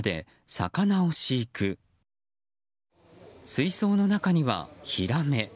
水槽の中にはヒラメ。